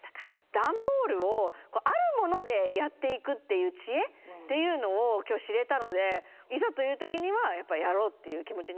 段ボールをあるものでやっていくっていう知恵っていうのを今日知れたのでいざという時にはやろうっていう気持ちになりました。